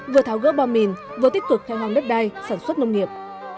vừa tháo gỡ ba mìn vừa tích cực theo hoàng đất đai sản xuất nông nghiệp